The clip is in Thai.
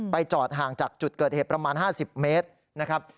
จอดห่างจากจุดเกิดเหตุประมาณ๕๐เมตรนะครับ